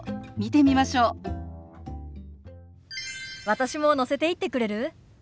私も乗せていってくれる？